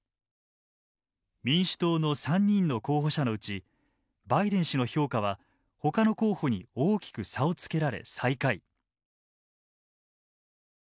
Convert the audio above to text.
民主党の３人の候補者のうちバイデン氏の評価はほかの候補に大きく差をつけられ最下位。